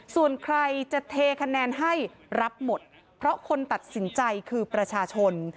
ส่วนใครจะเทคะแนนให้รับหมดเพราะคนตัดสินใจคือประชาชน